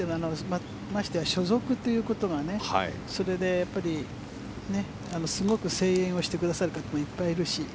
ましてや所属ということがそれでやっぱりすごく声援をしてくださる方もいっぱいいるし。